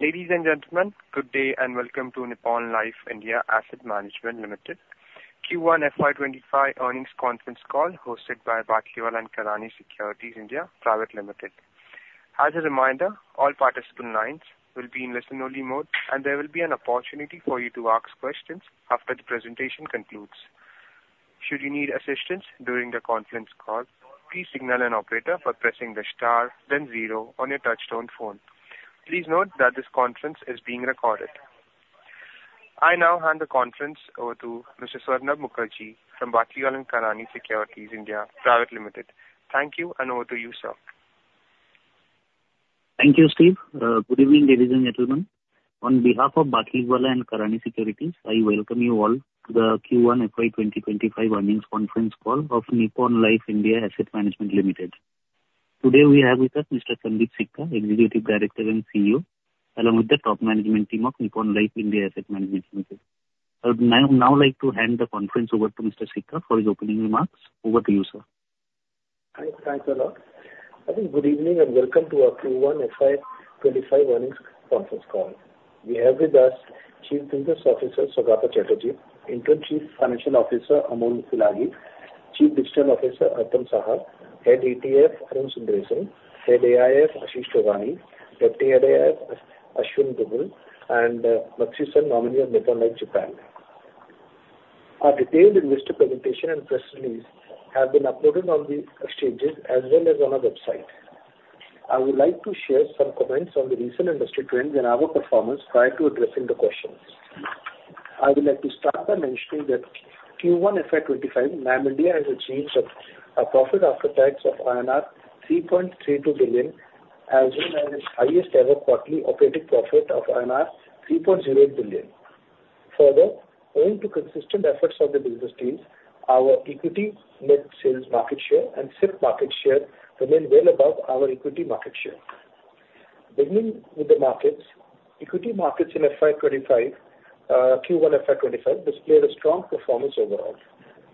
Ladies and gentlemen, good day and welcome to Nippon Life India Asset Management Limited Q1 FY 2025 Earnings Conference Call hosted by Batlivala & Karani Securities India Private Limited. As a reminder, all participant lines will be in listen-only mode, and there will be an opportunity for you to ask questions after the presentation concludes. Should you need assistance during the conference call, please signal an operator by pressing the star, then zero on your touch-tone phone. Please note that this conference is being recorded. I now hand the conference over to Mr. Swarnabh Mukherjee from Batlivala & Karani Securities India Private Limited. Thank you, and over to you, sir. Thank you, Steve. Good evening, ladies and gentlemen. On behalf of Batlivala & Karani Securities, I welcome you all to the Q1 FY 2025 earnings conference call of Nippon Life India Asset Management Limited. Today, we have with us Mr. Sundeep Sikka, Executive Director and CEO, along with the top management team of Nippon Life India Asset Management Limited. I would now like to hand the conference over to Mr. Sikka for his opening remarks. Over to you, sir. Thanks a lot. Good evening and welcome to our Q1 FY 2025 earnings conference call. We have with us Chief Business Officer Saugata Chatterjee, Interim Chief Financial Officer Amol Bilagi, Chief Digital Officer Arpan Saha, Head ETF Arun Sundaresan, Head AIF Ashish Chugani, Deputy Head AIF Aashwin Dugal, and Matsui-san, nominee of Nippon Life Japan. Our detailed investor presentation and press release have been uploaded on the exchanges as well as on our website. I would like to share some comments on the recent industry trends and our performance prior to addressing the questions. I would like to start by mentioning that Q1 FY 2025, NAM India has achieved a profit after tax of INR 3.32 billion, as well as its highest-ever quarterly operating profit of INR 3.08 billion. Further, owing to consistent efforts of the business teams, our equity net sales market share and SIP market share remain well above our equity market share. Beginning with the markets, equity markets in Q1 FY 2025 displayed a strong performance overall.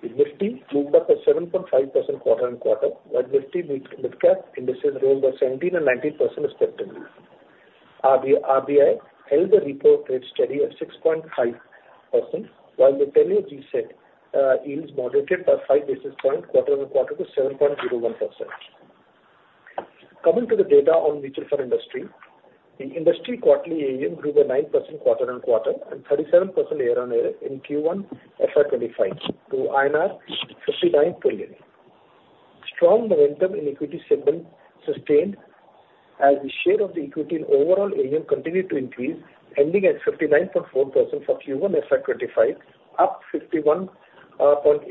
The Nifty moved up 7.5% quarter-on-quarter, while Nifty Midcap indices rose by 17% and 19% respectively. RBI held the repo rate steady at 6.5%, while the 10-year G-Sec yields moderated by 5 basis points quarter-on-quarter to 7.01%. Coming to the data on mutual fund industry, the industry quarterly AUM grew by 9% quarter-on-quarter and 37% year-on-year in Q1 FY 2025 to INR 59 trillion. Strong momentum in equity segment sustained as the share of the equity in overall AUM continued to increase, ending at 59.4% for Q1 FY 2025, up from 51.8%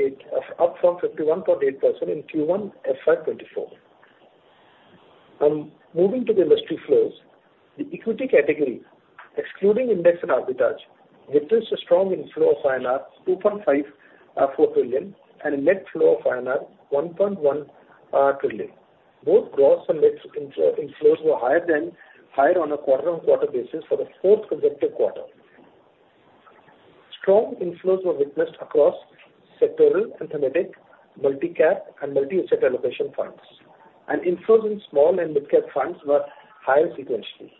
in Q1 FY 2024. Moving to the industry flows, the equity category, excluding index and arbitrage, witnessed a strong inflow of INR 2.54 trillion and a net flow of INR 1.1 trillion. Both gross and net inflows were higher than higher on a quarter-on-quarter basis for the fourth consecutive quarter. Strong inflows were witnessed across sectoral and thematic, multi-cap, and multi-asset allocation funds. Inflows in small and mid-cap funds were higher sequentially.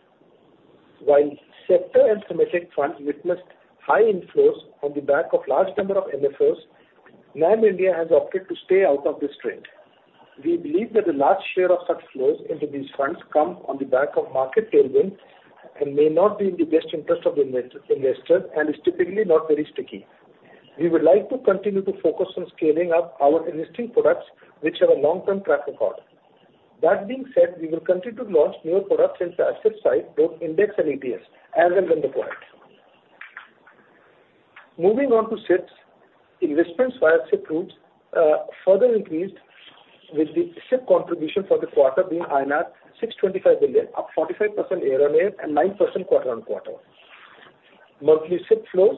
While sector and thematic funds witnessed high inflows on the back of a large number of NFOs, NAM India has opted to stay out of this trend. We believe that the large share of such flows into these funds comes on the back of market tailwinds and may not be in the best interest of the investors and is typically not very sticky. We would like to continue to focus on scaling up our existing products, which have a long-term track record. That being said, we will continue to launch newer products into passive side, both index and ETFs, as highlighted. Moving on to SIPs, investments via SIP routes further increased, with the SIP contribution for the quarter being INR 625 billion, up 45% year-on-year and 9% quarter-on-quarter. Monthly SIP flows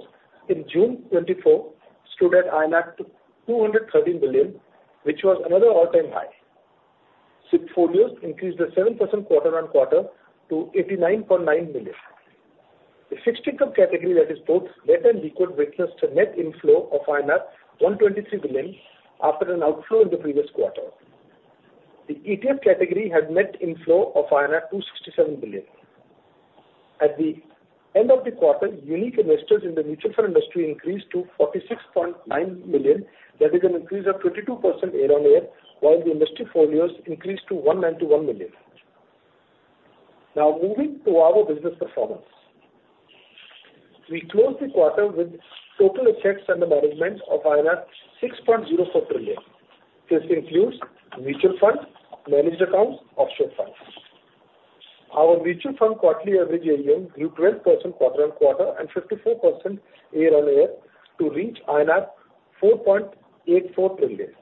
in June 2024 stood at 213 billion, which was another all-time high. SIP folios increased by 7% quarter-on-quarter to 89.9 million. The fixed income category that is both net and liquid witnessed a net inflow of INR 123 billion after an outflow in the previous quarter. The ETF category had net inflow of INR 267 billion. At the end of the quarter, unique investors in the mutual fund industry increased to 46.9 million, that is an increase of 22% year-on-year, while the industry folios increased to 191 million. Now, moving to our business performance, we closed the quarter with total assets under management of 6.04 trillion. This includes mutual funds, managed accounts, and offshore funds. Our mutual fund quarterly average AUM grew 12% quarter-on-quarter and 54% year-on-year to reach 4.84 trillion.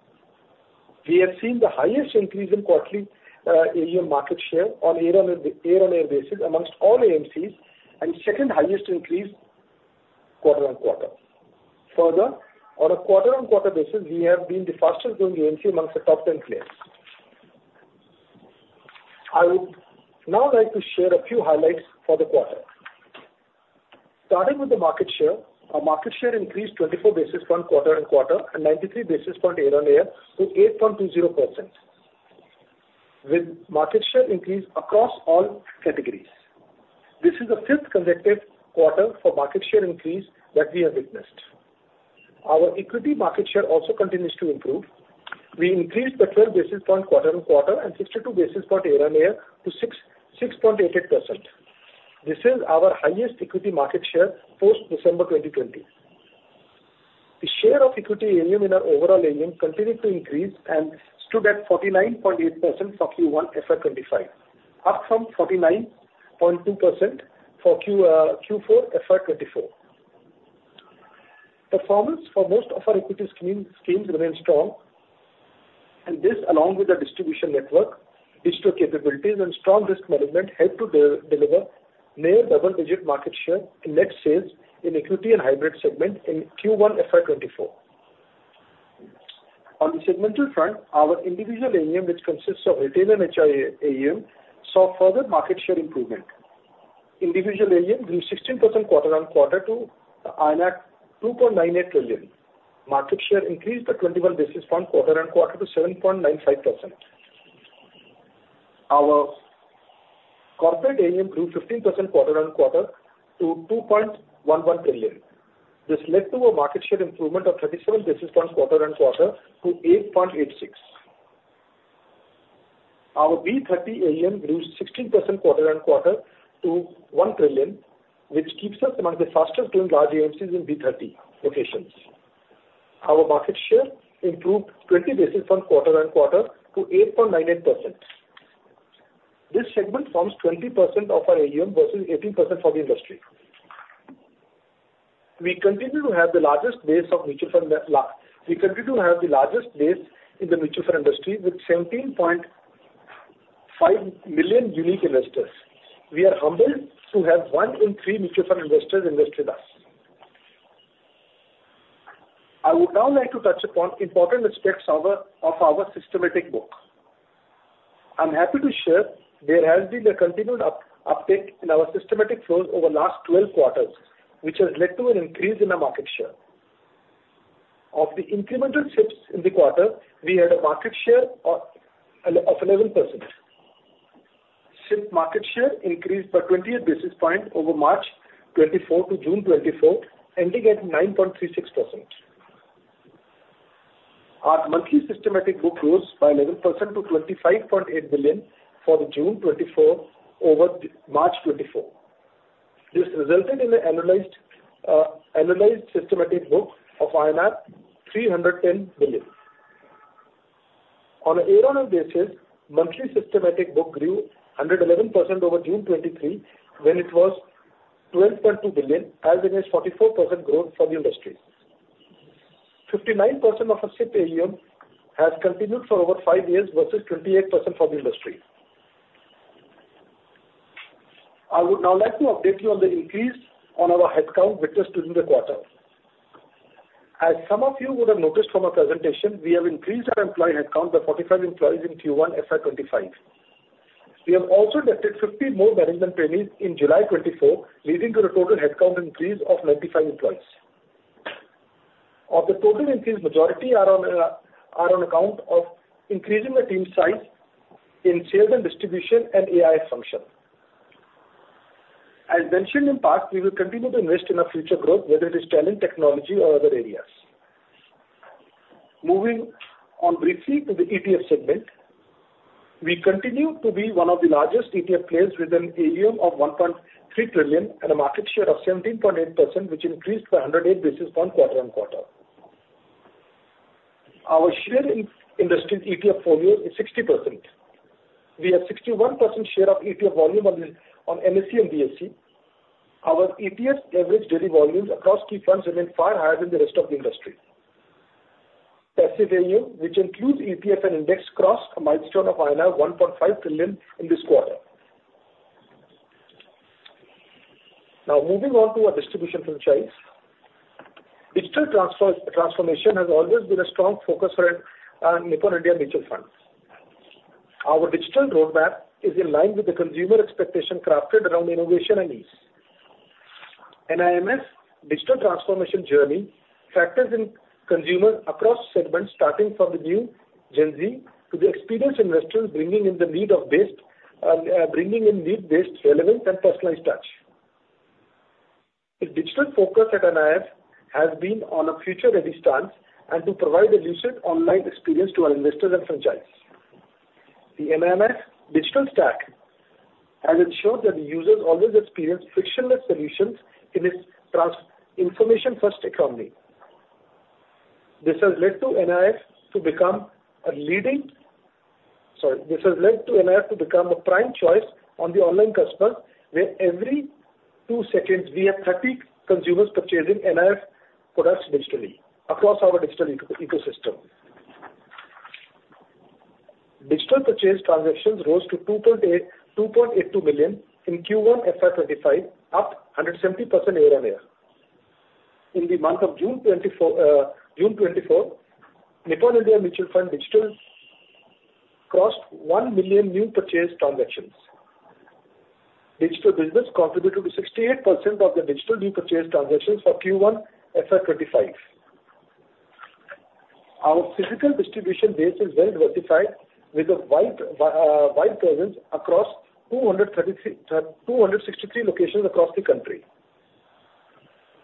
We have seen the highest increase in quarterly AUM market share on a year-on-year basis amongst all AMCs and second-highest increase quarter-on-quarter. Further, on a quarter-on-quarter basis, we have been the fastest-growing AMC amongst the top 10 players. I would now like to share a few highlights for the quarter. Starting with the market share, our market share increased 24 basis points quarter-on-quarter and 93 basis points year-on-year to 8.20%, with market share increase across all categories. This is the fifth consecutive quarter for market share increase that we have witnessed. Our equity market share also continues to improve. We increased by 12 basis points quarter-on-quarter and 62 basis points year-on-year to 6.88%. This is our highest equity market share post-December 2020. The share of equity AUM in our overall AUM continued to increase and stood at 49.8% for Q1 FY 2025, up from 49.2% for Q4 FY 2024. Performance for most of our equity schemes remained strong, and this, along with the distribution network, digital capabilities, and strong risk management, helped to deliver near double-digit market share in net sales in equity and hybrid segment in Q1 FY 2024. On the segmental front, our individual AUM, which consists of retail and HNI AUM, saw further market share improvement. Individual AUM grew 16% quarter-on-quarter to 2.98 trillion. Market share increased by 21 basis points quarter-on-quarter to 7.95%. Our corporate AUM grew 15% quarter-on-quarter to 2.11 trillion. This led to a market share improvement of 37 basis points quarter-on-quarter to 8.86%. Our B30 AUM grew 16% quarter-on-quarter to 1 trillion, which keeps us among the fastest-growing large AMCs in B30 locations. Our market share improved 20 basis points quarter-on-quarter to 8.98%. This segment forms 20% of our AUM versus 18% for the industry. We continue to have the largest base of mutual fund. We continue to have the largest base in the mutual fund industry with 17.5 million unique investors. We are humbled to have one in three mutual fund investors invest with us. I would now like to touch upon important aspects of our systematic book. I'm happy to share there has been a continued uptake in our systematic flows over the last 12 quarters, which has led to an increase in our market share. Of the incremental SIPs in the quarter, we had a market share of 11%. SIP market share increased by 28 basis points over March 2024 to June 2024, ending at 9.36%. Our monthly systematic book rose by 11% to 25.8 billion for June 2024 over March 2024. This resulted in an annualized systematic book of 310 billion. On a year-on-year basis, monthly systematic book grew 111% over June 2023, when it was 12.2 billion, as it is 44% growth for the industry. 59% of our SIP AUM has continued for over five years versus 28% for the industry. I would now like to update you on the increase in our headcount witnessed during the quarter. As some of you would have noticed from our presentation, we have increased our employee headcount by 45 employees in Q1 FY 2025. We have also deployed 50 more management trainees in July 2024, leading to a total headcount increase of 95 employees. Of the total increase, the majority are on account of increasing the team size in sales and distribution and AIF function. As mentioned in the past, we will continue to invest in our future growth, whether it is talent, technology, or other areas. Moving on briefly to the ETF segment, we continue to be one of the largest ETF players with an AUM of 1.3 trillion and a market share of 17.8%, which increased by 108 basis points quarter-over-quarter. Our share in industry ETF folios is 60%. We have 61% share of ETF volume on BSE and NSE. Our ETF average daily volumes across key funds remain far higher than the rest of the industry. Passive AUM, which includes ETF and index, crossed a milestone of 1.5 trillion in this quarter. Now, moving on to our distribution franchise, digital transformation has always been a strong focus for Nippon India Mutual Fund. Our digital roadmap is in line with the consumer expectation crafted around innovation and ease. NIMF's digital transformation journey factors in consumers across segments, starting from the new Gen Z to the experienced investors, bringing in need-based relevance and personalized touch. The digital focus at NIMF has been on a future-ready stance and to provide a lucid online experience to our investors and franchise. The NIMF digital stack has ensured that the users always experience frictionless solutions in its information-first economy. This has led to NIMF to become a prime choice on the online customers, where every two seconds, we have 30 consumers purchasing NIMF products digitally across our digital ecosystem. Digital purchase transactions rose to 2.82 million in Q1 FY 2025, up 170% year-on-year. In the month of June 2024, Nippon India Mutual Fund digital crossed 1 million new purchase transactions. Digital business contributed to 68% of the digital new purchase transactions for Q1 FY 2025. Our physical distribution base is well diversified, with a wide presence across 263 locations across the country.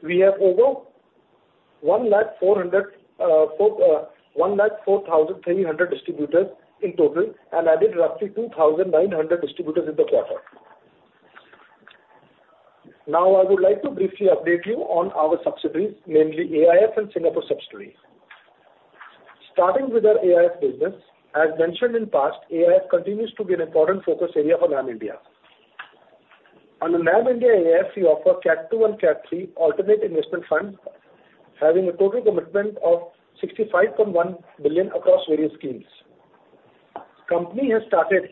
We have over 14,300 distributors in total and added roughly 2,900 distributors in the quarter. Now, I would like to briefly update you on our subsidiaries, namely AIF and Singapore subsidiaries. Starting with our AIF business, as mentioned in the past, AIF continues to be an important focus area for NAM India. Under NAM India AIF, we offer Cat 2 and Cat 3 alternative investment funds, having a total commitment of 65.1 billion across various schemes. The company has started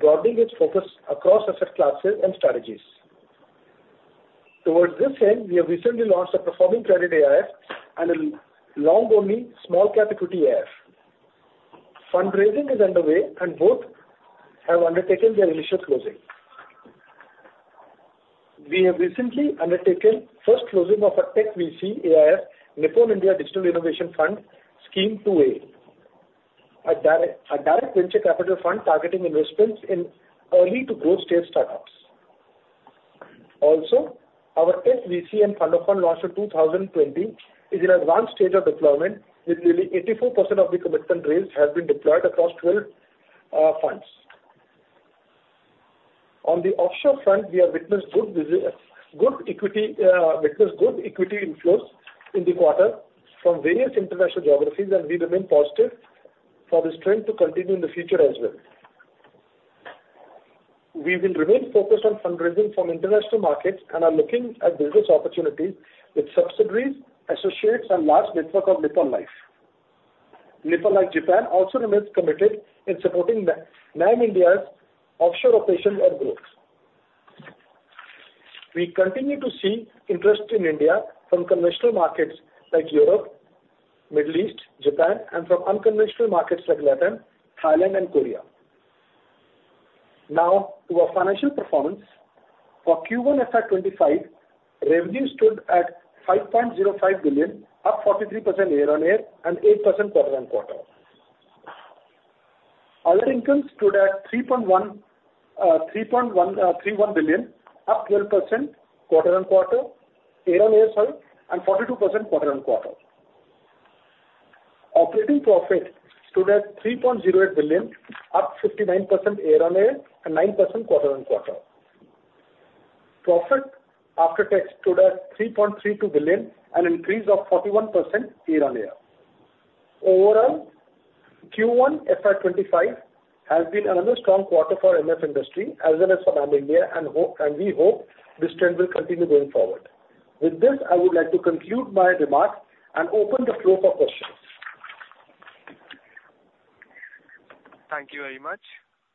broadening its focus across asset classes and strategies. Towards this end, we have recently launched a Performing Credit AIF and a long-only small-cap equity AIF. Fundraising is underway, and both have undertaken their initial closing. We have recently undertaken the first closing of a tech VC AIF, Nippon India Digital Innovation Fund, Scheme 2A, a direct venture capital fund targeting investments in early-to-growth stage startups. Also, our tech VC and Fund of Funds launched in 2020 is in an advanced stage of deployment, with nearly 84% of the commitment raised having been deployed across 12 funds. On the offshore front, we have witnessed good equity inflows in the quarter from various international geographies, and we remain positive for the strength to continue in the future as well. We will remain focused on fundraising from international markets and are looking at business opportunities with subsidiaries, associates, and a large network of Nippon Life. Nippon Life Japan also remains committed in supporting Nam India's offshore operations and growth. We continue to see interest in India from conventional markets like Europe, the Middle East, Japan, and from unconventional markets like Latin, Thailand, and Korea. Now, to our financial performance. For Q1 FY 2025, revenue stood at 5.05 billion, up 43% year-on-year and 8% quarter-on-quarter. Other incomes stood at 3.31 billion, up 12% year-on-year, sorry, and 42% quarter-on-quarter. Operating profit stood at 3.08 billion, up 59% year-on-year and 9% quarter-on-quarter. Profit after tax stood at 3.32 billion, and an increase of 41% year-on-year. Overall, Q1 FY 2025 has been another strong quarter for the MF industry, as well as for NAM India, and we hope this trend will continue going forward. With this, I would like to conclude my remarks and open the floor for questions. Thank you very much.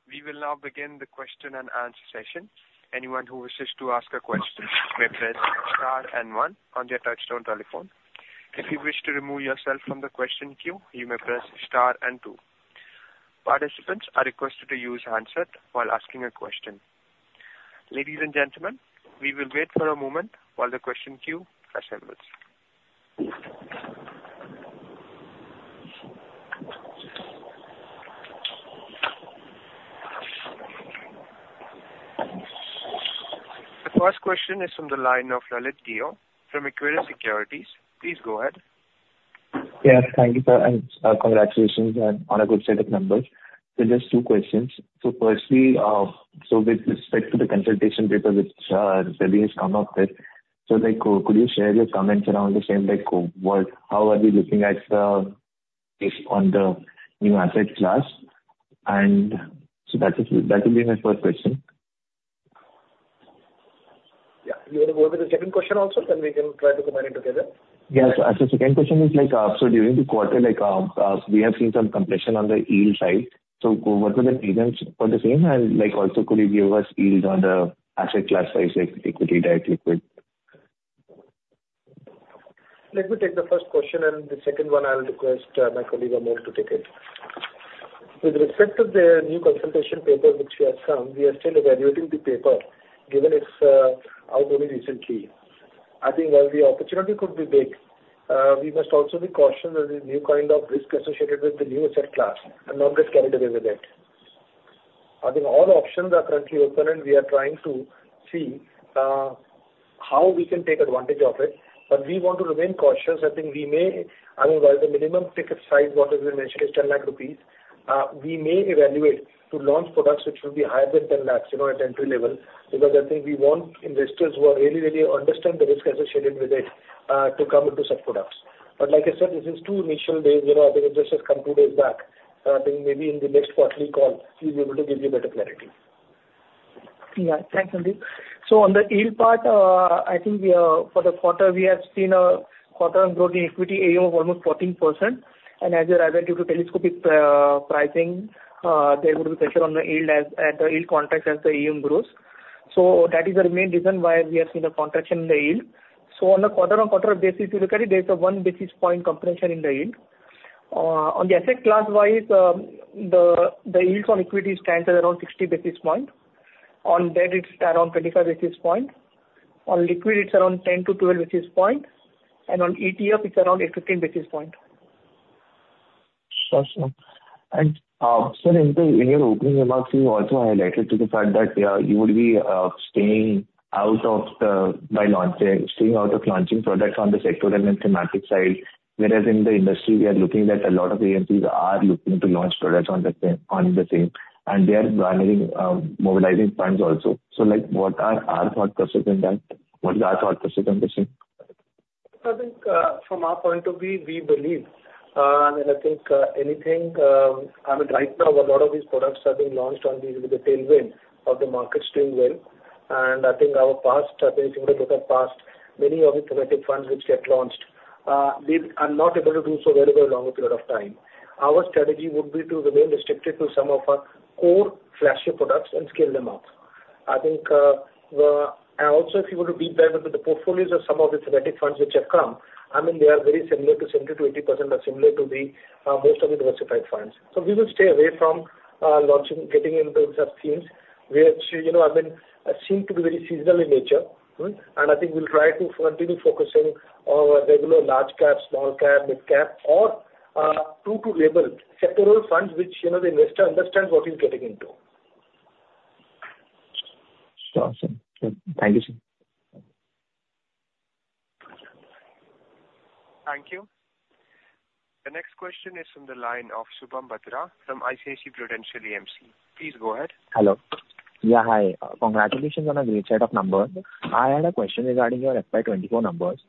We will now begin the question-and-answer session. Anyone who wishes to ask a question may press star and one on their touch-tone telephone. If you wish to remove yourself from the question queue, you may press star and two. Participants are requested to use handset while asking a question. Ladies and gentlemen, we will wait for a moment while the question queue assembles. The first question is from the line of Lalit Deo from Equirus Securities. Please go ahead. Yes, thank you, sir, and congratulations on a good set of numbers. So just two questions. So firstly, so with respect to the consultation paper which SEBI has come up with, so could you share your comments around the same? How are we looking at the new asset class? And so that would be my first question. Yeah, you want to go with the second question also? Then we can try to combine it together. Yes, so the second question is, so during the quarter, we have seen some compression on the yield side. So what were the trends for the same? And also, could you give us yield on the asset class, like equity, direct, liquid? Let me take the first question, and the second one, I'll request my colleague Amol to take it. With respect to the new consultation paper which we have come, we are still evaluating the paper given its outgoing recently. I think while the opportunity could be big, we must also be cautious of the new kind of risk associated with the new asset class and not get carried away with it. I think all options are currently open, and we are trying to see how we can take advantage of it. But we want to remain cautious. I think we may, I mean, while the minimum ticket size, what has been mentioned, is 10 lakh rupees, we may evaluate to launch products which will be higher than 10 lakh at entry level because I think we want investors who are really, really understand the risk associated with it to come into such products. But like I said, this is two initial days. I think it just has come two days back. I think maybe in the next quarterly call, we'll be able to give you better clarity. Yeah, thanks, Sundeep. So on the yield part, I think for the quarter, we have seen a quarter-on-quarter growth in equity AUM of almost 14%. And as a relative to telescopic pricing, there would be pressure on the yield as the yield contracts as the AUM grows. So that is the main reason why we have seen a contraction in the yield. So on the quarter-on-quarter basis, if you look at it, there is a 1 basis point compression in the yield. On the asset class-wise, the yields on equity stands at around 60 basis points. On debt, it's around 25 basis points. On liquid, it's around 10-12 basis points. And on ETF, it's around 18 basis points. Awesome. And, sir, in your opening remarks, you also highlighted the fact that you would be staying out of the launching, staying out of launching products on the sector and thematic side, whereas in the industry, we are looking that a lot of agencies are looking to launch products on the same, and they are mobilizing funds also. So what are our thought processes in that? What are our thought processes on this thing? I think from our point of view, we believe. And I think anything, I mean, right now, a lot of these products are being launched with the tailwind of the markets doing well. And I think our past, if you look at past, many of the thematic funds which get launched, they are not able to do so very, very long a period of time. Our strategy would be to remain restricted to some of our core flagship products and scale them up. I think also, if you want to deep dive into the portfolios of some of the thematic funds which have come, I mean, they are very similar to 70%-80% or similar to most of the diversified funds. So we will stay away from getting into such schemes which, I mean, seem to be very seasonal in nature. I think we'll try to continue focusing on regular large-cap, small-cap, mid-cap, or true-to-label sectoral funds which the investor understands what he's getting into. Awesome. Thank you, sir. Thank you. The next question is from the line of Shubham Bhadra from ICICI Prudential AMC. Please go ahead. Hello. Yeah, hi. Congratulations on a great set of numbers. I had a question regarding your FY 2024 numbers.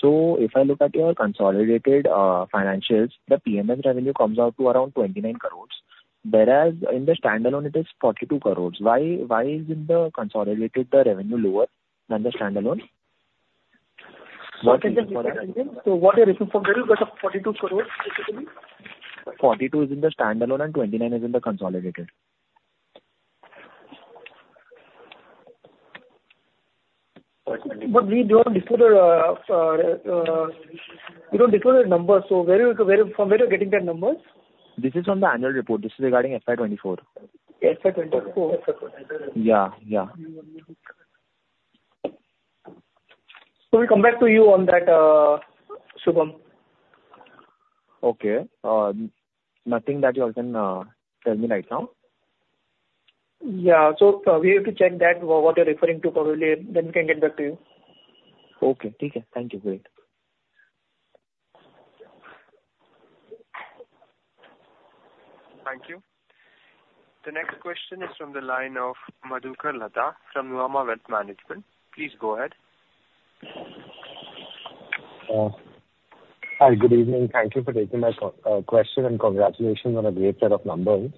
So if I look at your consolidated financials, the PMS revenue comes out to around 29 crores, whereas in the standalone, it is 42 crores. Why is the consolidated revenue lower than the standalone? What is the difference? So what are you referring to? What is the INR 42 crores basically? INR 42 crores is in the standalone and 29 crores is in the consolidated. But we don't disclose the numbers. So from where are you getting the numbers? This is from the annual report. This is regarding FY2024. FY2024. Yeah, yeah. So we'll come back to you on that, Shubham. Okay. Nothing that you can tell me right now? Yeah. So we have to check that, what you're referring to, probably. Then we can get back to you. Okay. Take care. Thank you. Great. Thank you. The next question is from the line of Madhukar Ladha from Nuvama Wealth Management. Please go ahead. Hi, good evening. Thank you for taking my question and congratulations on a great set of numbers.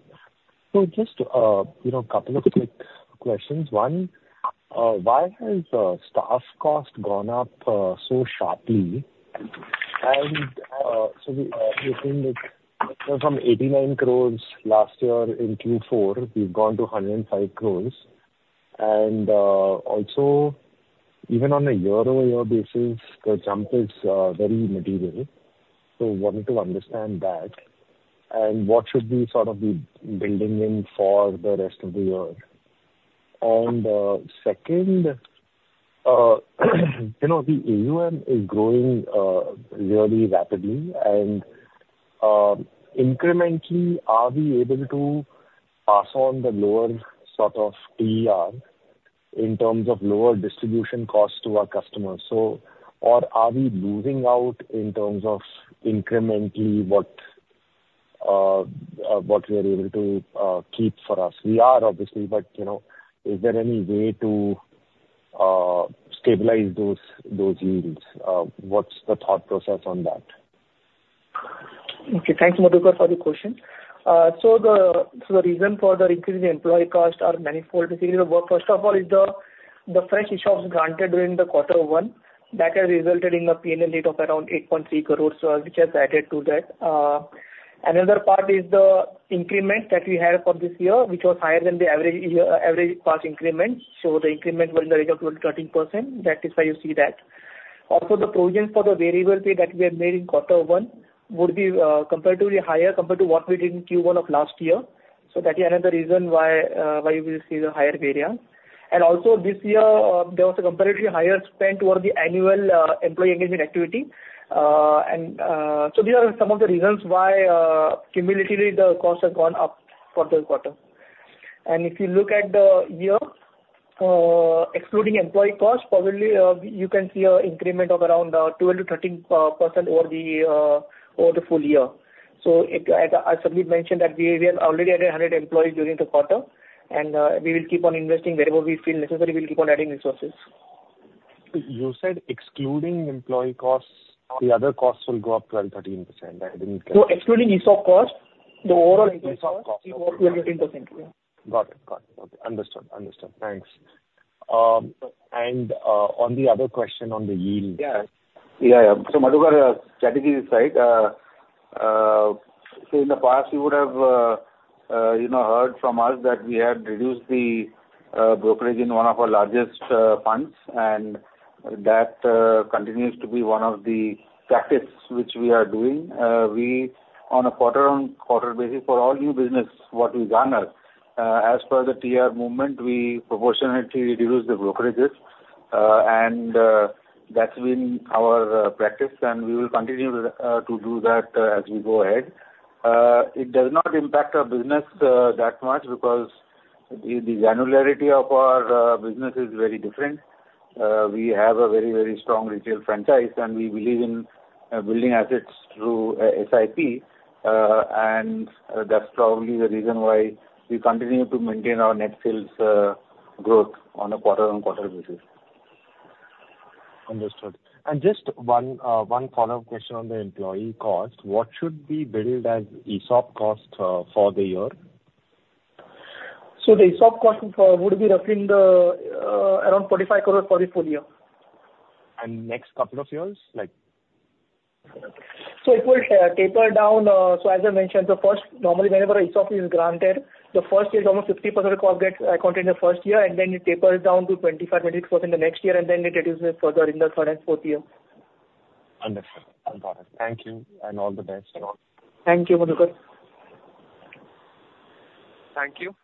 So just a couple of quick questions. One, why has staff cost gone up so sharply? And so we're seeing from 89 crore last year in Q4, we've gone to 105 crore. And also, even on a year-over-year basis, the jump is very material. So wanting to understand that and what should we sort of be building in for the rest of the year. And second, the AUM is growing really rapidly. And incrementally, are we able to pass on the lower sort of TER in terms of lower distribution costs to our customers? Or are we losing out in terms of incrementally what we are able to keep for us? We are, obviously, but is there any way to stabilize those yields? What's the thought process on that? Okay. Thanks, Madhukar, for the question. So the reason for the increase in employee costs are manifold. First of all, is the fresh issues granted during the quarter one that have resulted in a P&L hit of around 8.3 crore, which has added to that. Another part is the increment that we had for this year, which was higher than the average past increment. So the increment was in the range of 13%. That is why you see that. Also, the provision for the variable pay that we have made in quarter one would be comparatively higher compared to what we did in Q1 of last year. So that is another reason why we will see the higher pay here. And also, this year, there was a comparatively higher spend towards the annual employee engagement activity. So these are some of the reasons why cumulatively, the cost has gone up for the quarter. If you look at the year, excluding employee cost, probably you can see an increment of around 12%-13% over the full year. I suddenly mentioned that we have already added 100 employees during the quarter, and we will keep on investing wherever we feel necessary. We'll keep on adding resources. You said excluding employee costs, the other costs will go up 12%-13%. I didn't get that. So excluding ESOP costs, the overall ESOP costs will go up 13%. Got it. Got it. Okay. Understood. Understood. Thanks. And on the other question on the yield side. Yeah, yeah. So Madhukar, strategy is right. So in the past, you would have heard from us that we had reduced the brokerage in one of our largest funds, and that continues to be one of the practices which we are doing. On a quarter-on-quarter basis for all new business, what we gather, as per the TER movement, we proportionately reduce the brokerages. That's been our practice, and we will continue to do that as we go ahead. It does not impact our business that much because the granularity of our business is very different. We have a very, very strong retail franchise, and we believe in building assets through SIP. That's probably the reason why we continue to maintain our net sales growth on a quarter-on-quarter basis. Understood. Just one follow-up question on the employee cost. What should be billed as ESOP cost for the year? So the ESOP cost would be roughly around 45 crore for the full year. And next couple of years? So it will taper down. So as I mentioned, the first, normally, whenever ESOP is granted, the first year, it's almost 50% of the cost accounted in the first year, and then it tapers down to 25%-26% the next year, and then it reduces further in the third and fourth year. Understood. Got it. Thank you. And all the best. Thank you, Madhukar. Thank you.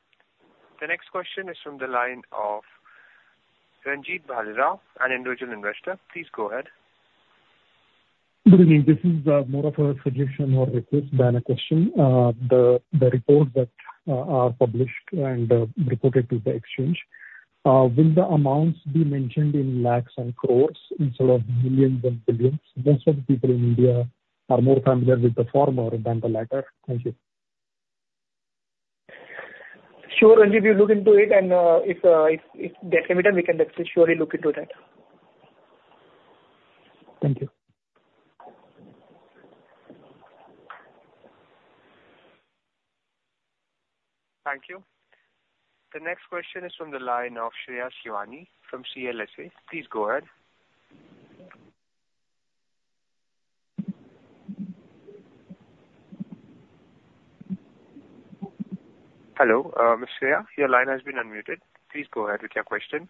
The next question is from the line of Ranjit Bhadra, an individual investor. Please go ahead. Good evening. This is more of a suggestion or request than a question. The reports that are published and reported to the exchange, will the amounts be mentioned in lakhs and crores instead of millions and billions? Most of the people in India are more familiar with the former than the latter. Thank you. Sure. And if you look into it, and if that's evident, we can definitely surely look into that. Thank you. Thank you. The next question is from the line of Shreya Shivani from CLSA. Please go ahead. Hello, Ms. Shreya. Your line has been unmuted. Please go ahead with your question.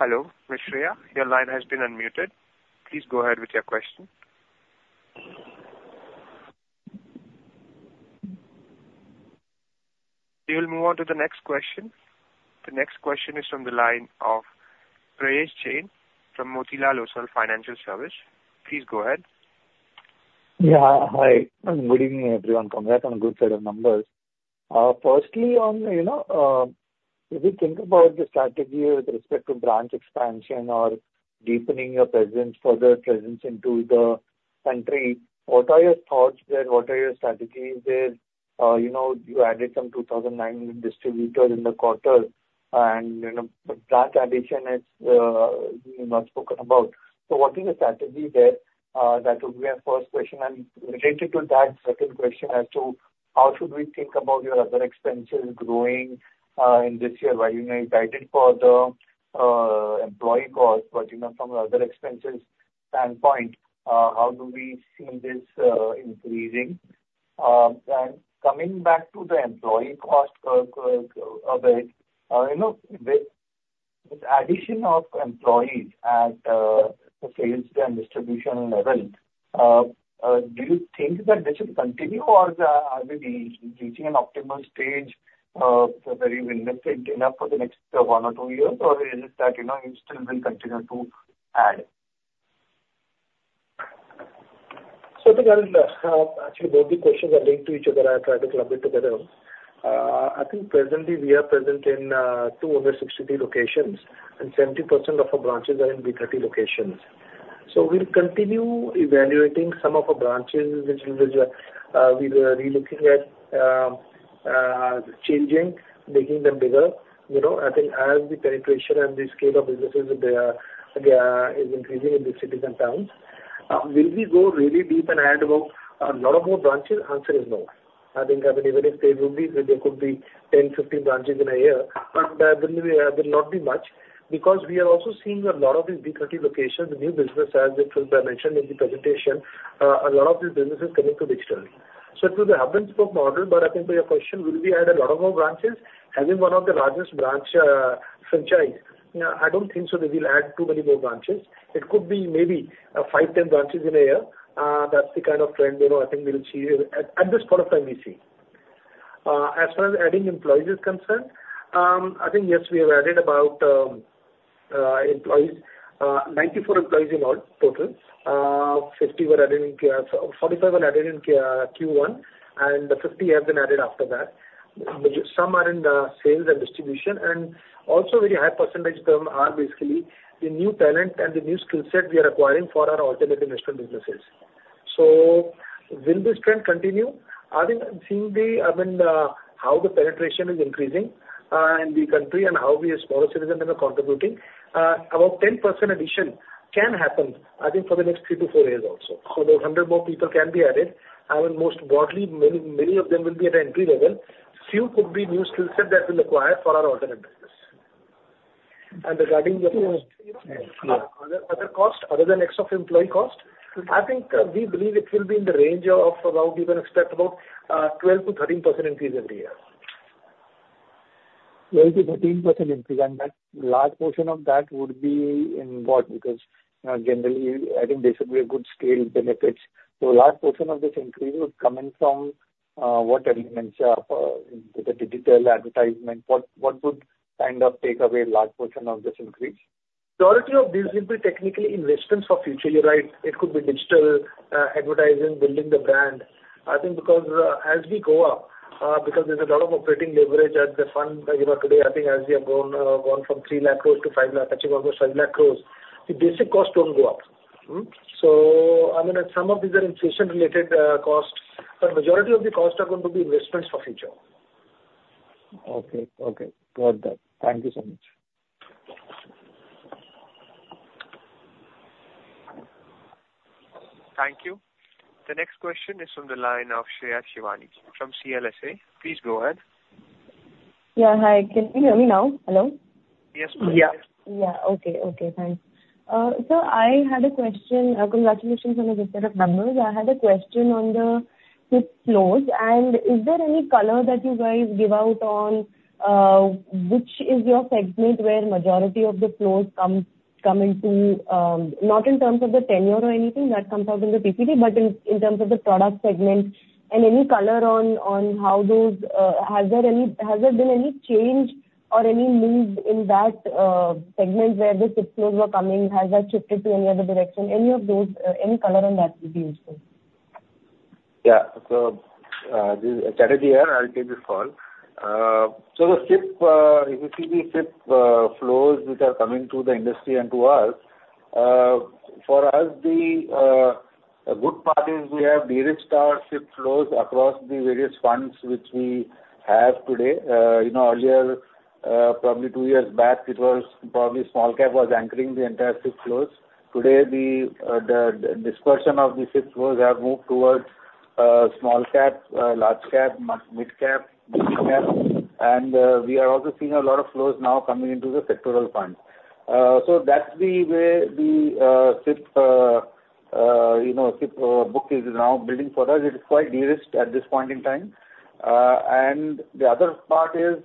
Hello, Ms. Shreya. Your line has been unmuted. Please go ahead with your question. We will move on to the next question. The next question is from the line of Prayesh Jain from Motilal Oswal Financial Services. Please go ahead. Yeah. Hi. Good evening, everyone. Congrats on a good set of numbers. Firstly, if we think about the strategy with respect to branch expansion or deepening your presence, further presence into the country, what are your thoughts there? What are your strategies there? You added some 2,900 distributors in the quarter, and branch addition has been much spoken about. So what is the strategy there? That would be my first question. Related to that, second question as to how should we think about your other expenses growing in this year? While you guided for the employee cost, but from the other expenses standpoint, how do we see this increasing? Coming back to the employee cost a bit, with addition of employees at the sales and distribution level, do you think that this will continue, or are we reaching an optimal stage where you've invested enough for the next one or two years, or is it that you still will continue to add? So actually, both the questions are linked to each other. I'll try to clump it together. I think presently, we are present in 263 locations, and 70% of our branches are in B30 locations. So we'll continue evaluating some of our branches. We will be looking at changing, making them bigger. I think as the penetration and the scale of businesses is increasing in the cities and towns, will we go really deep and add a lot of more branches? Answer is no. I think even if they would be, there could be 10, 15 branches in a year, but there will not be much because we are also seeing a lot of these B30 locations, new business, as it was mentioned in the presentation, a lot of these businesses coming to digital. So to the hub-and-spoke model, but I think to your question, will we add a lot of more branches? Having one of the largest branch franchise, I don't think so that we'll add too many more branches. It could be maybe five, 10 branches in a year. That's the kind of trend I think we'll see at this point of time we see. As far as adding employees is concerned, I think yes, we have added about employees, 94 employees in all total. 45 were added in Q1, and 50 have been added after that. Some are in sales and distribution. And also, a very high percentage of them are basically the new talent and the new skill set we are acquiring for our alternative investment businesses. So will this trend continue? I think I'm seeing how the penetration is increasing in the country and how we as small citizens are contributing. About 10% addition can happen, I think, for the next three to four years also. So those 100 more people can be added. I mean, most broadly, many of them will be at entry level. Few could be new skill set that we'll acquire for our alternative business. And regarding the other cost. Other than ESOP employee cost, I think we believe it will be in the range of about we can expect about 12%-13% increase every year. 12%-13% increase. And that large portion of that would be in what? Because generally, I think there should be a good scale benefits. So a large portion of this increase would come in from what elements? Digital advertisement? What would kind of take away a large portion of this increase? Majority of these will be technically investments for future. You're right. It could be digital advertising, building the brand. I think because as we go up, because there's a lot of operating leverage at the fund today, I think as we have gone from 300,000 crore to 500,000 crore, touching almost 500,000 crore, the basic costs don't go up. So I mean, some of these are inflation-related costs, but the majority of the costs are going to be investments for future. Okay. Okay. Got that. Thank you so much. Thank you. The next question is from the line of Shreya Shivani from CLSA. Please go ahead. Yeah. Hi. Can you hear me now? Hello? Yes, please. Yeah. Yeah. Okay. Okay. Thanks. So I had a question. Congratulations on the set of numbers. I had a question on the flows. Is there any color that you guys give out on which is your segment where majority of the flows come into, not in terms of the tenure or anything that comes out in the PPT, but in terms of the product segment? And any color on how those has there been any change or any move in that segment where the flows were coming? Has that shifted to any other direction? Any of those? Any color on that would be useful. Yeah. So Saugata here, I'll take this call. So the SIP, if you see the SIP flows which are coming to the industry and to us, for us, the good part is we have derisked our SIP flows across the various funds which we have today. Earlier, probably two years back, it was probably small cap was anchoring the entire SIP flows. Today, the dispersion of the SIP flows have moved towards small cap, large cap, mid cap, big cap. We are also seeing a lot of flows now coming into the sectoral fund. That's the way the SIP book is now building for us. It is quite derisked at this point in time. The other part is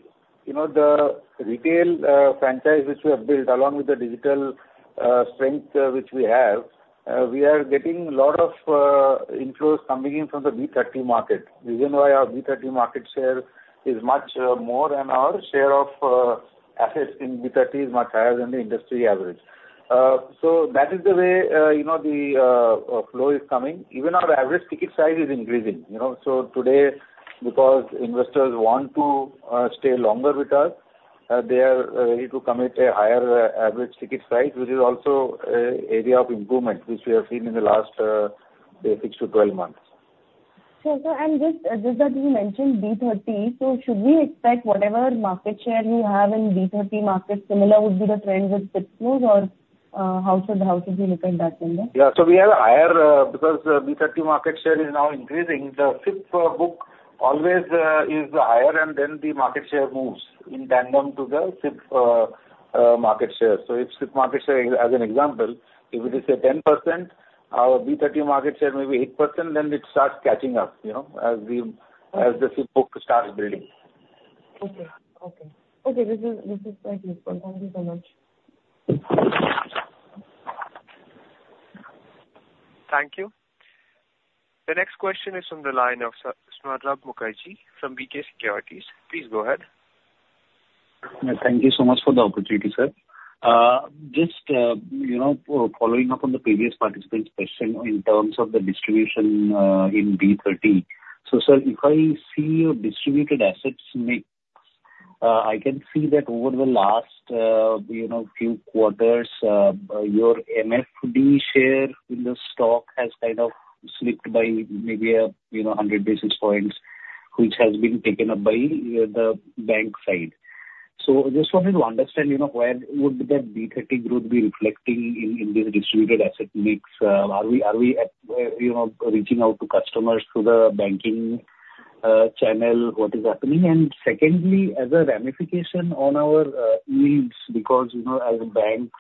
the retail franchise which we have built along with the digital strength which we have, we are getting a lot of inflows coming in from the B30 market. The reason why our B30 market share is much more and our share of assets in B30 is much higher than the industry average. That is the way the flow is coming. Even our average ticket size is increasing. So today, because investors want to stay longer with us, they are ready to commit a higher average ticket size, which is also an area of improvement which we have seen in the last 6-12 months. And just that you mentioned B30, so should we expect whatever market share we have in B30 market, similar would be the trend with SIP flows, or how should we look at that in there? Yeah. So we have a higher because B30 market share is now increasing. The SIP book always is the higher, and then the market share moves in tandem to the SIP market share. So if SIP market share, as an example, if it is a 10%, our B30 market share may be 8%, then it starts catching up as the SIP book starts building. Okay. Okay. Okay. This is very useful. Thank you so much. Thank you. The next question is from the line of Swarnabh Mukherjee from BK Securities. Please go ahead. Thank you so much for the opportunity, sir. Just following up on the previous participant's question in terms of the distribution in B30. So sir, if I see your distributed assets mix, I can see that over the last few quarters, your MFD share in the stock has kind of slipped by maybe 100 basis points, which has been taken up by the bank side. So I just wanted to understand where would that B30 growth be reflecting in this distributed asset mix? Are we reaching out to customers through the banking channel? What is happening? And secondly, as a ramification on our needs, because as banks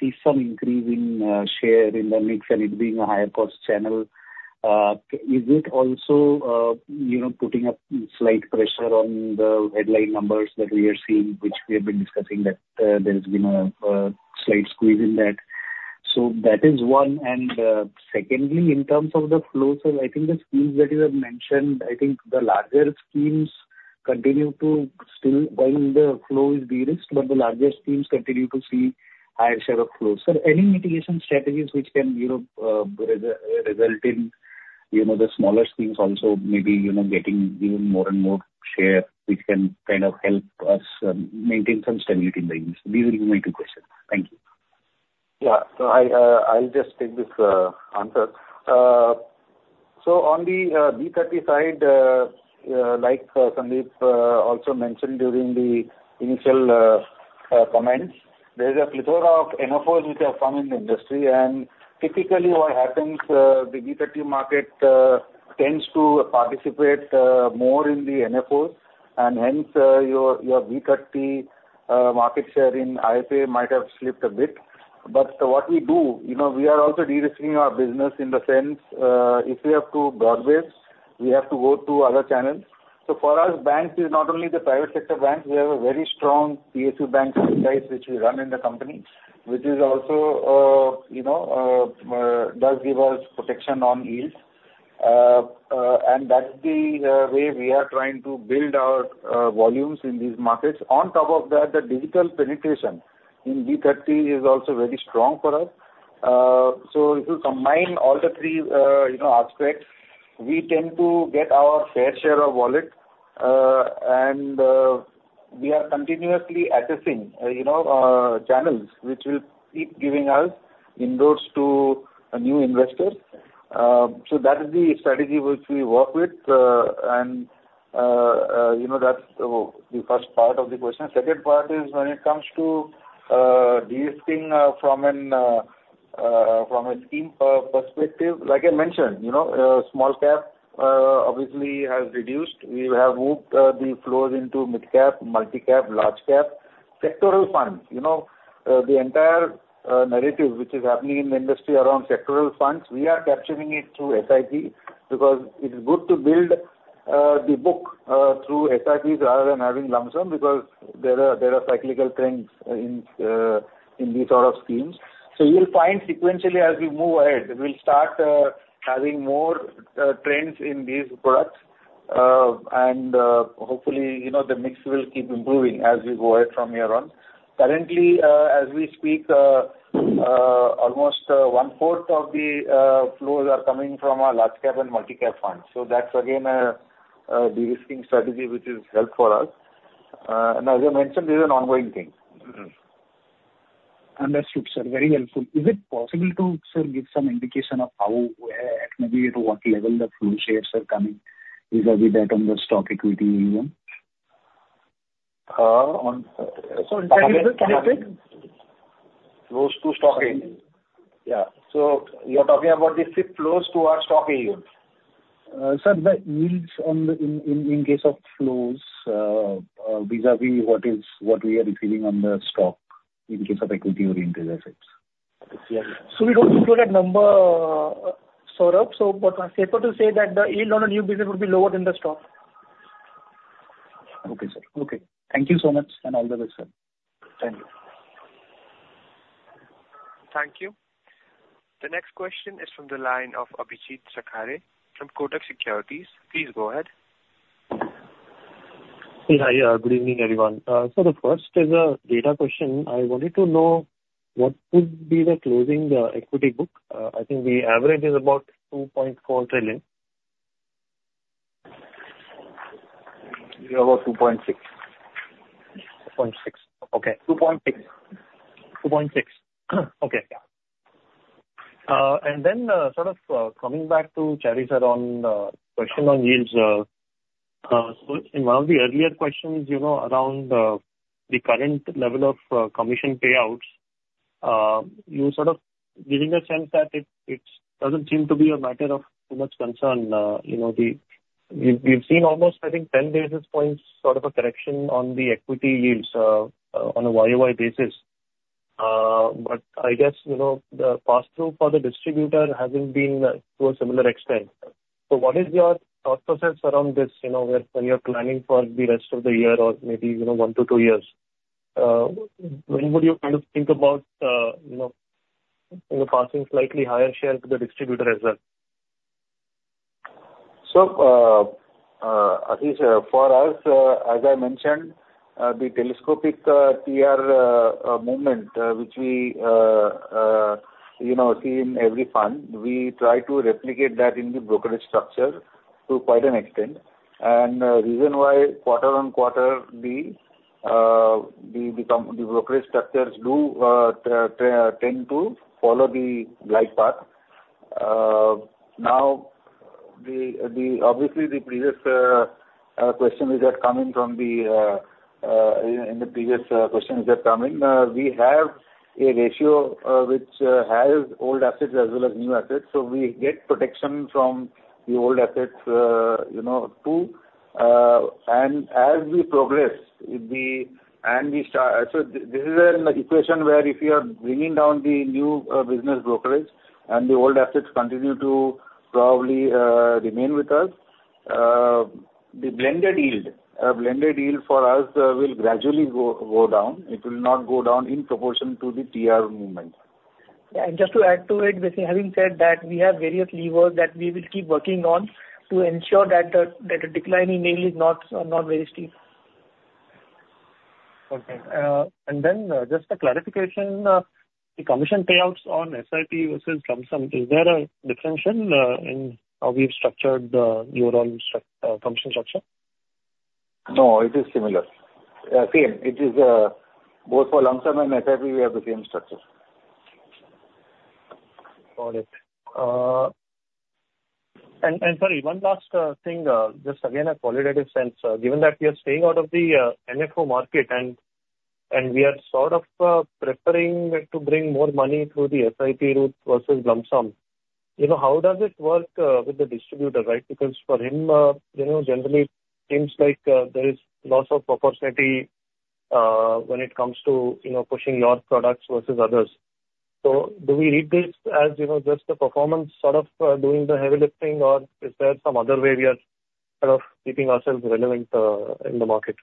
see some increase in share in the mix and it being a higher cost channel, is it also putting up slight pressure on the headline numbers that we are seeing, which we have been discussing that there's been a slight squeeze in that? So that is one. And secondly, in terms of the flows, I think the schemes that you have mentioned, I think the larger schemes continue to still when the flow is derisked, but the larger schemes continue to see higher share of flows. So any mitigation strategies which can result in the smaller schemes also maybe getting even more and more share, which can kind of help us maintain some stability in the industry? These will be my two questions. Thank you. Yeah. So I'll just take this answer. On the B30 side, like Sundeep also mentioned during the initial comments, there's a plethora of NFOs which have come in the industry. Typically what happens, the B30 market tends to participate more in the NFOs, and hence your B30 market share in IFA might have slipped a bit. But what we do, we are also derisking our business in the sense if we have to broadbase, we have to go to other channels. For us, banks is not only the private sector banks. We have a very strong PSU bank franchise which we run in the company, which also does give us protection on yield. That's the way we are trying to build our volumes in these markets. On top of that, the digital penetration in B30 is also very strong for us. So if you combine all the three aspects, we tend to get our fair share of wallet, and we are continuously accessing channels which will keep giving us inroads to new investors. So that is the strategy which we work with, and that's the first part of the question. Second part is when it comes to derisking from a scheme perspective, like I mentioned, small cap obviously has reduced. We have moved the flows into mid cap, multi cap, large cap, sectoral funds. The entire narrative which is happening in the industry around sectoral funds, we are capturing it through SIP because it's good to build the book through SIPs rather than having lump sum because there are cyclical trends in these sort of schemes. So you'll find sequentially as we move ahead, we'll start having more trends in these products, and hopefully the mix will keep improving as we go ahead from here on. Currently, as we speak, almost one-fourth of the flows are coming from our large cap and multi cap funds. So that's again a derisking strategy which has helped for us. And as I mentioned, this is an ongoing thing. Understood, sir. Very helpful. Is it possible to, sir, give some indication of how, at maybe what level the flow shares are coming vis-à-vis that on the stock equity? So can you say? Flows to stock equity. Yeah. So you're talking about the SIP flows to our stock equity? Sir, the yields in case of flows vis-à-vis what we are receiving on the stock in case of equity-oriented assets. So we don't include that number, Swarnabh. So what I'm capable to say is that the yield on a new business would be lower than the stock. Okay, sir. Okay. Thank you so much and all the best, sir. Thank you. Thank you. The next question is from the line of Abhijeet Sakhare from Kotak Securities. Please go ahead. Hey, hi. Good evening, everyone. So the first is a data question. I wanted to know what would be the closing equity book? I think the average is about 2.4 trillion. Okay. 2.6 trillion. 2.6 trillion. Okay. And then sort of coming back to Chatterjee Sir on the question on yields. So in one of the earlier questions around the current level of commission payouts, you sort of gave me a sense that it doesn't seem to be a matter of too much concern. We've seen almost, I think, 10 basis points sort of a correction on the equity yields on a YoY basis. But I guess the pass-through for the distributor hasn't been to a similar extent. So what is your thought process around this when you're planning for the rest of the year or maybe one to two years? When would you kind of think about passing slightly higher share to the distributor as well? So for us, as I mentioned, the telescopic TER movement which we see in every fund, we try to replicate that in the brokerage structure to quite an extent. And the reason why quarter-on-quarter, the brokerage structures do tend to follow the glide path. Now, obviously, the previous question we had come in, we have a ratio which has old assets as well as new assets. So we get protection from the old assets too. And as we progress, and we start so this is an equation where if you are bringing down the new business brokerage and the old assets continue to probably remain with us, the blended yield for us will gradually go down. It will not go down in proportion to the TER movement. Yeah. And just to add to it, having said that, we have various levers that we will keep working on to ensure that the decline in yield is not very steep. Okay. And then just a clarification, the commission payouts on SIP versus lump sum, is there a differential in how we've structured the overall commission structure? No, it is similar. Same. It is both for lump sum and SIP, we have the same structure. Got it. And sorry, one last thing, just again a qualitative sense. Given that we are staying out of the NFO market and we are sort of preparing to bring more money through the SIP route versus lump sum, how does it work with the distributor, right? Because for him, generally, it seems like there is lots of opportunity when it comes to pushing your products versus others. So do we read this as just the performance sort of doing the heavy lifting, or is there some other way we are sort of keeping ourselves relevant in the market?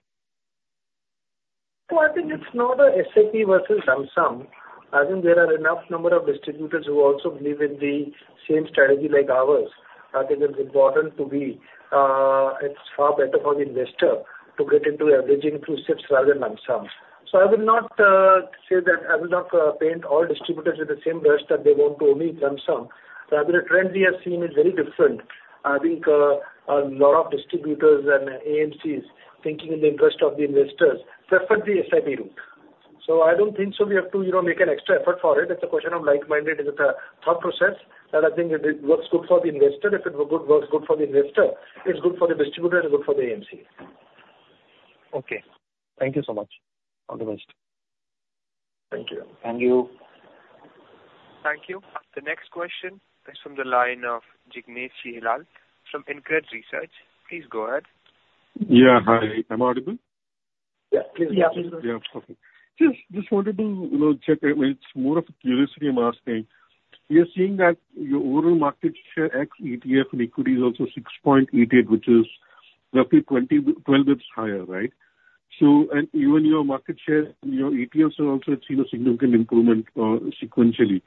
So I think it's not a SIP versus lump sum. I think there are enough number of distributors who also believe in the same strategy like ours. I think it's important to be. It's far better for the investor to get into averaging through SIPs rather than lump sum. So I will not say that I will not paint all distributors with the same brush that they want to only lump sum. Rather, a trend we have seen is very different. I think a lot of distributors and AMCs thinking in the interest of the investors preferred the SIP route. So I don't think so. We have to make an extra effort for it. It's a question of like-minded. It's a thought process that I think works good for the investor. If it works good for the investor, it's good for the distributor and good for the AMC. Okay. Thank you so much. All the best. Thank you. Thank you. Thank you. The next question is from the line of Jignesh Shial from InCred Research. Please go ahead. Yeah. Hi. Am I audible? Yeah. Please go ahead. Yeah. Okay. Just wanted to check. It's more of a curiosity I'm asking. You're seeing that your overall market share ex ETF and equity is also 6.88, which is roughly 12 basis points higher, right? And even your market share in your ETFs has also seen a significant improvement sequentially.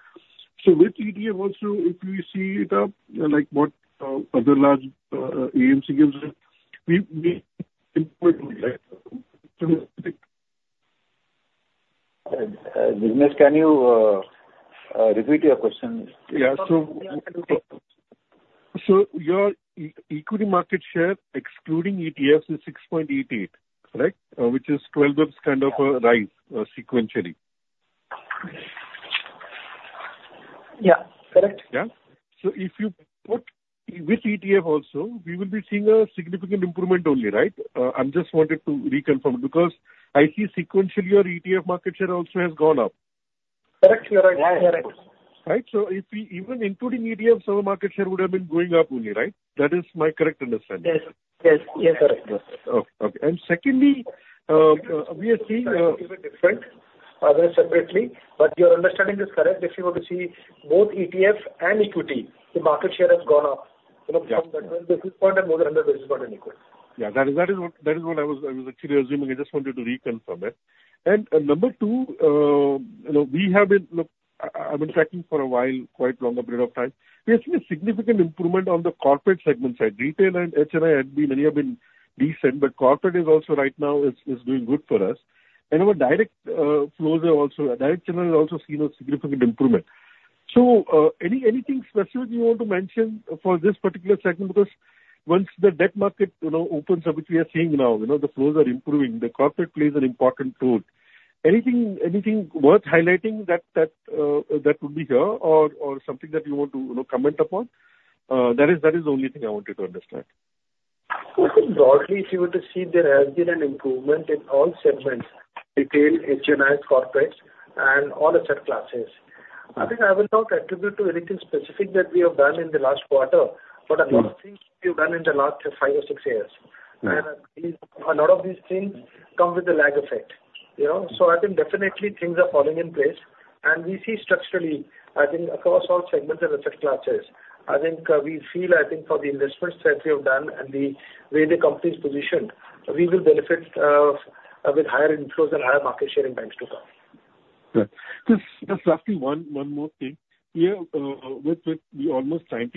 So with ETF also, if we see it up like what other large AMC gives us, we implement, right? Jignesh, can you repeat your question? Yeah. So your equity market share excluding ETFs is 6.88, correct? Which is 12 basis points kind of a rise sequentially. Yeah. Correct. Yeah? So if you put with ETF also, we will be seeing a significant improvement only, right? I just wanted to reconfirm because I see sequentially your ETF market share also has gone up. Correct. You're right. You're right. Right? So even including ETFs, our market share would have been going up only, right? That is my correct understanding. Yes. Yes. You're correct. Yes. Okay. And secondly, we are seeing different. Separately, but your understanding is correct. If you were to see both ETF and equity, the market share has gone up from the 10 basis point and more than 100 basis point in equity. Yeah. That is what I was actually assuming. I just wanted to reconfirm it. And number two, we have been looking. I've been tracking for a while, quite a long period of time. We have seen a significant improvement on the corporate segment side. Retail and HNI had been many have been decent, but corporate is also right now is doing good for us. And our direct flows are also direct channel is also seen a significant improvement. So anything specific you want to mention for this particular segment? Because once the debt market opens, which we are seeing now, the flows are improving. The corporate plays an important role. Anything worth highlighting that would be here or something that you want to comment upon? That is the only thing I wanted to understand. So I think broadly, if you were to see, there has been an improvement in all segments: retail, HNI, corporate, and all asset classes. I think I will not attribute to anything specific that we have done in the last quarter, but a lot of things we have done in the last five or six years. A lot of these things come with the lag effect. So I think definitely things are falling in place. We see structurally, I think, across all segments and asset classes. I think we feel, I think, for the investments that we have done and the way the company is positioned, we will benefit with higher inflows and higher market share in times to come. Right. Just roughly one more thing. With the almost 90%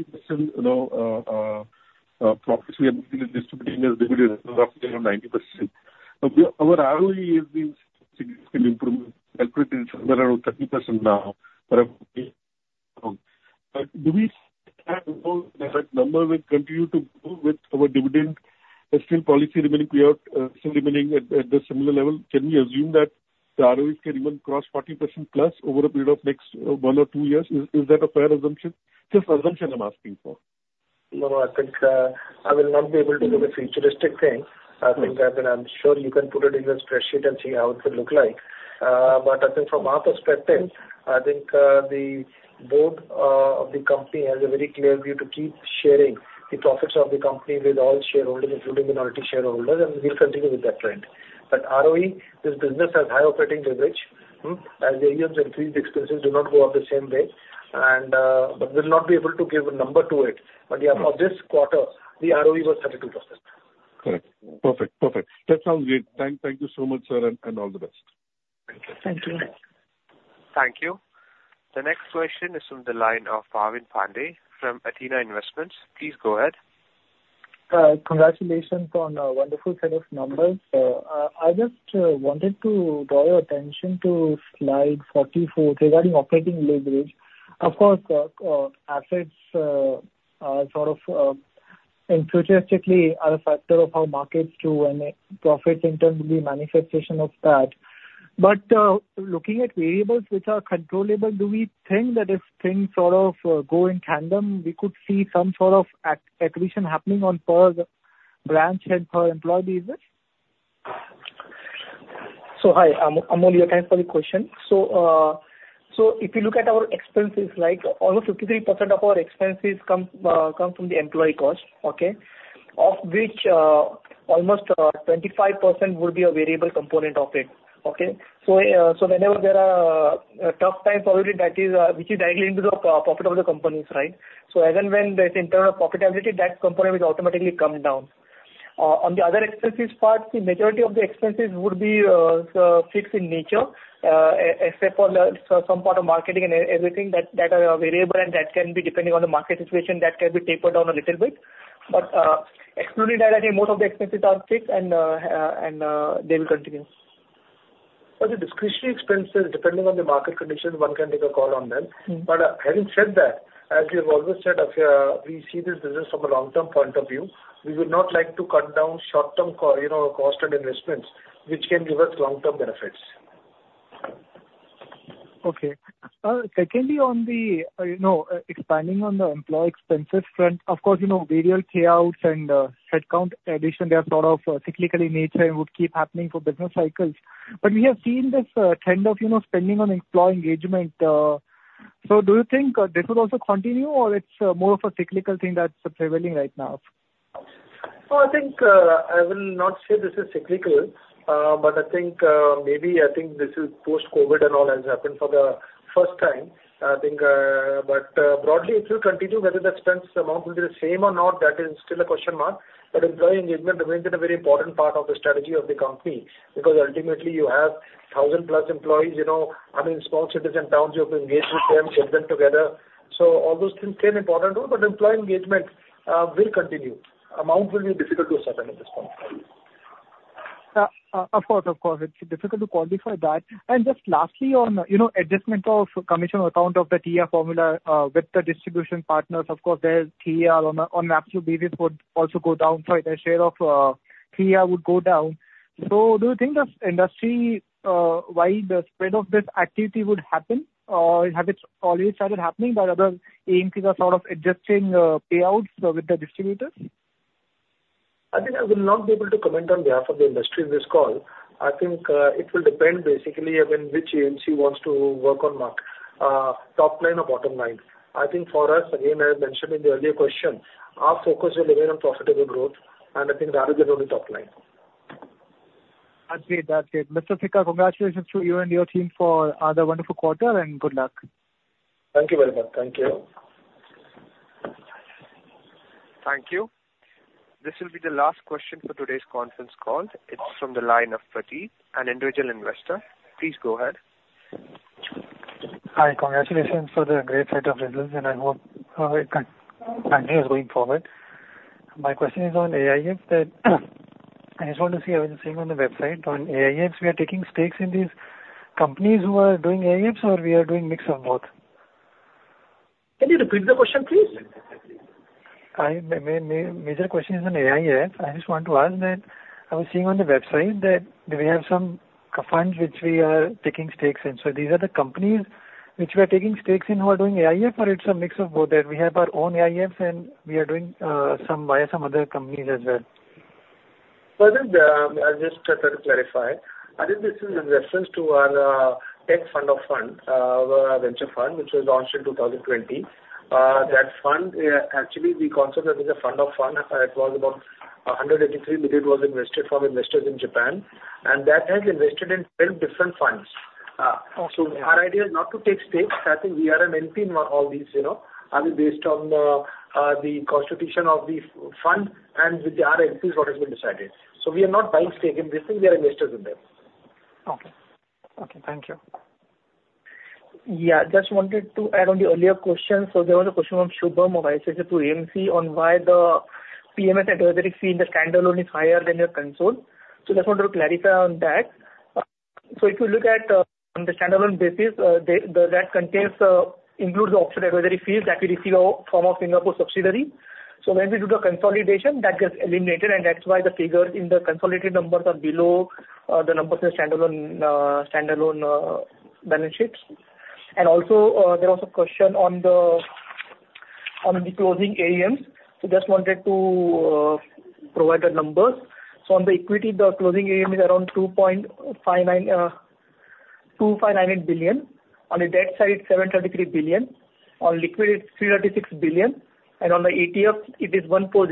profits we have been distributing as dividends, roughly around 90%, our ROE has been significantly improved. We are at around 30% now. But do we have that number will continue to move with our dividend and still policy remaining payout still remaining at the similar level? Can we assume that the ROEs can even cross 40%+ over a period of next one or two years? Is that a fair assumption? Just assumption I'm asking for. No, I think I will not be able to give a futuristic thing. I think I'm sure you can put it in the spreadsheet and see how it could look like. But I think from our perspective, I think the board of the company has a very clear view to keep sharing the profits of the company with all shareholders, including minority shareholders, and we'll continue with that trend. But ROE, this business has high operating leverage. As the yields increase, the expenses do not go up the same way. But we'll not be able to give a number to it. But for this quarter, the ROE was 32%. Correct. Perfect. Perfect. That sounds good. Thank you so much, sir, and all the best. Thank you. Thank you. Thank you. The next question is from the line of Bhavin Pande from Athena Investments. Please go ahead. Congratulations on a wonderful set of numbers. I just wanted to draw your attention to slide 44 regarding operating leverage. Of course, assets sort of inelastically are a factor of how markets do and profits in terms of the manifestation of that. But looking at variables which are controllables, do we think that if things sort of go in tandem, we could see some sort of accretion happening on per branch and per employee basis? So hi. I only have time for the question. So if you look at our expenses, almost 53% of our expenses come from the employee cost, okay, of which almost 25% would be a variable component of it. Okay? So whenever there are tough times, probably that is what is directly into the profit of the company, right? So even when there's internal profitability, that component will automatically come down. On the other expenses part, the majority of the expenses would be fixed in nature, except for some part of marketing and everything that are variable and that can be depending on the market situation, that can be tapered down a little bit. But excluding that, I think most of the expenses are fixed and they will continue. But the discretionary expenses, depending on the market condition, one can take a call on them. But having said that, as you've always said, we see this business from a long-term point of view. We would not like to cut down short-term cost and investments, which can give us long-term benefits. Okay. Secondly, on the expanding on the employee expenses front, of course, variable payouts and headcount addition, they are sort of cyclical in nature and would keep happening for business cycles. But we have seen this trend of spending on employee engagement. So do you think this will also continue or it's more of a cyclical thing that's prevailing right now? So I think I will not say this is cyclical, but I think maybe I think this is post-COVID and all has happened for the first time. I think but broadly, it will continue whether the expense amount will be the same or not, that is still a question mark. But employee engagement remains a very important part of the strategy of the company because ultimately you have 1,000-plus employees. I mean, small cities and towns, you have to engage with them, get them together. So all those things play an important role, but employee engagement will continue. Amount will be difficult to settle at this point. Of course, of course. It's difficult to quantify that. Just lastly, on adjustment of commission on account of the TER formula with the distribution partners, of course, their TER on an absolute basis would also go down. Sorry, their share of TER would go down. So do you think that industry-wide spread of this activity would happen or have it already started happening, but other AMCs are sort of adjusting payouts with the distributors? I think I will not be able to comment on behalf of the industry in this call. I think it will depend basically on which AMC wants to work on market, top line or bottom line. I think for us, again, as I mentioned in the earlier question, our focus will remain on profitable growth, and I think that will be the only top line. That's it. That's it. Mr. Sikka, congratulations to you and your team for another wonderful quarter and good luck. Thank you very much. Thank you. Thank you. This will be the last question for today's conference call. It's from the line of Prateek, an individual investor. Please go ahead. Hi. Congratulations for the great set of results, and I hope it continues going forward. My question is on AIF that I just want to see if I'm seeing on the website on AIFs. We are taking stakes in these companies who are doing AIFs or we are doing mix of both? Can you repeat the question, please? My major question is on AIF. I just want to ask that I was seeing on the website that we have some funds which we are taking stakes in. So these are the companies which we are taking stakes in who are doing AIF, or it's a mix of both? That we have our own AIFs and we are doing some via some other companies as well. So I think I just try to clarify. I think this is in reference to our tech Fund of Funds, our venture fund, which was launched in 2020. That fund, actually, we consider it as a Fund of Funds. It was about 183 million was invested from investors in Japan, and that has invested in 12 different funds. So our idea is not to take stakes. I think we are an LP in all these, either based on the constitution of the fund and with the IMs what has been decided. So we are not buying stakes. We think we are investors in them. Okay. Okay. Thank you. Yeah. Just wanted to add on the earlier question. So there was a question from Shubham of ICICI Prudential AMC on why the PMS advisory fee in the standalone is higher than your consolidated. So just wanted to clarify on that. So if you look at on the standalone basis, that includes the advisory fees that we receive from our Singapore subsidiary. So when we do the consolidation, that gets eliminated, and that's why the figures in the consolidated numbers are below the numbers in the standalone balance sheets. And also, there was a question on the closing AUMs. So just wanted to provide the numbers. So on the equity, the closing AUM is around 2,598 billion. On the debt side, it's 733 billion. On liquidity, it's 336 billion. And on the ETFs, it is 1 billion.